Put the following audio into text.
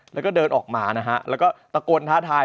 แล้วก็เดินออกมานะฮะแล้วก็ตะโกนท้าทาย